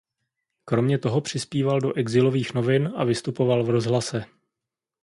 Kromě toho přispíval do exilových novin a vystupoval v rozhlase.